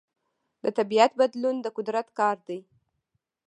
د طبیعت بدلون د قدرت کار دی.